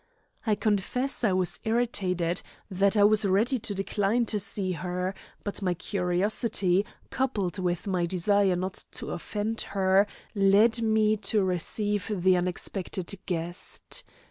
I confess I was irritated, that I was ready to decline to see her, but my curiosity, coupled with my desire not to offend her, led me to receive the unexpected guest.